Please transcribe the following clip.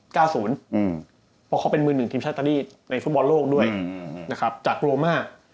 เพราะเขาเป็นมือหนึ่งทีมชาติรีสในฟุตบอลโลกด้วยจากโรมา